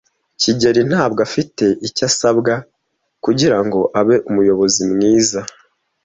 kigeli ntabwo afite icyo asabwa kugirango abe umuyobozi mwiza.